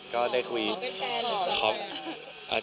ก็ได้คุยกัน